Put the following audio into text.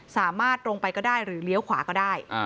สามารถลงไปก็ได้หรือเลี้ยวขวาก็ได้